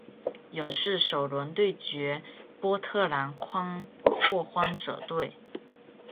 勇士首轮对决波特兰拓荒者队。